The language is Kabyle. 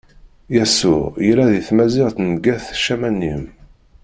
Yasuɛ yella di tmazirt n Gat-Camanim.